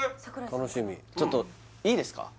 楽しみちょっといいですか？